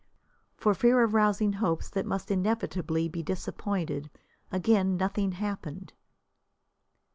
For fear of rousing hopes that must inevitably be disappointed, again nothing happened.